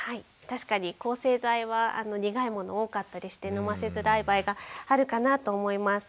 確かに抗生剤は苦いもの多かったりして飲ませづらい場合があるかなと思います。